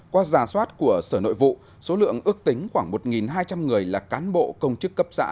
qua giả soát của sở nội vụ số lượng ước tính khoảng một hai trăm linh người là cán bộ công chức cấp xã